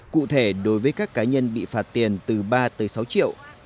cụ thể đối với các cá nhân bị phạt tiền từ ba tới sáu triệu